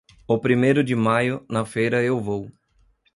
O primeiro de maio, na feira eu vou.